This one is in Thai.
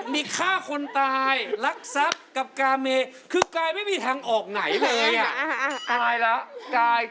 มีฆ่าคนตายรักทรัพย์กับกาเมคือกายไม่มีทางออกไหนเลยอ่ะ